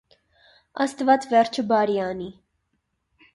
Աստված վերջը բարի անի…